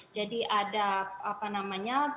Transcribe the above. jadi ada apa namanya